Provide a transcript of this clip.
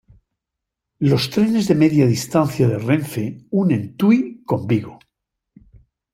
Los trenes de media distancia de Renfe, unen Tui con Vigo.